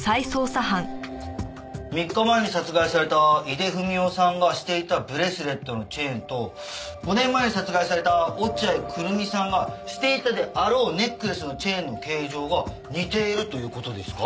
３日前に殺害された井出文雄さんがしていたブレスレットのチェーンと５年前に殺害された落合久瑠実さんがしていたであろうネックレスのチェーンの形状が似ているという事ですか？